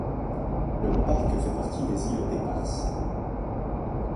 Le Parc fait partie des îles Éparses.